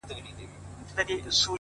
هره پوښتنه د ودې نښه ده’